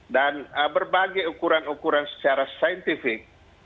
dan berbagai ukuran ukuran secara scientific